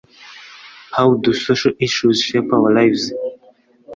How do social issues shape our lives